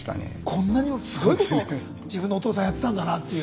こんなにもすごいこと自分のお父さんやってたんだなっていう。